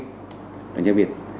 trong sách giáo viên